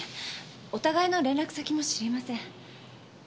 お互いの連絡先も知りません。